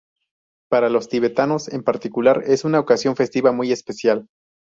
Para los tibetanos en particular es una ocasión festiva muy especial.